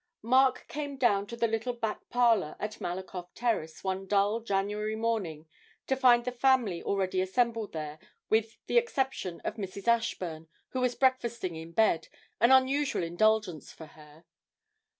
Mark came down to the little back parlour at Malakoff Terrace one dull January morning to find the family already assembled there, with the exception of Mrs. Ashburn, who was breakfasting in bed an unusual indulgence for her.